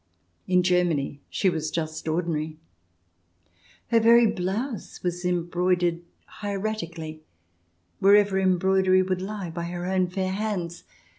In Germany she was just ordinary. Her very blouse was embroidered hieratically, wherever embroidery would lie, by her own fair hands.